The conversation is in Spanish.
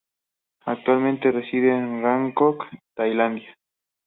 Actualmente reside en Bangkok, Tailandia.